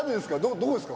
どこですか？